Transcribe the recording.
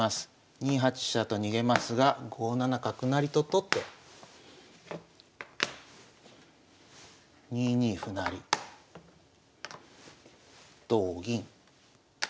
２八飛車と逃げますが５七角成と取って２二歩成同銀。